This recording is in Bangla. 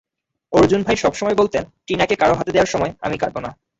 অর্জুন ভাই সবসময় বলতেন, টিনাকে কারও হাতে দেওয়ার সময়, আমি কাঁদবো না।